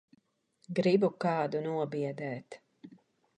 Gribu kādu nobiedēt.